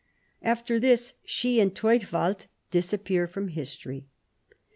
After tliis she and Theudwald disap pear from history.